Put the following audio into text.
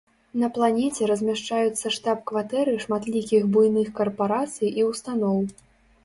На планеце размяшчаюцца штаб-кватэры шматлікіх буйных карпарацый і ўстаноў.